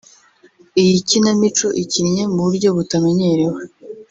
Iyi kinamico ikinnye mu buryo butamenyerewe